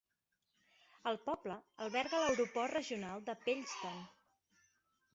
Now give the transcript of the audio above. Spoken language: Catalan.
El poble alberga l'aeroport regional de Pellston.